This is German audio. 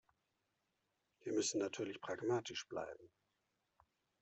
Wir müssen natürlich pragmatisch bleiben.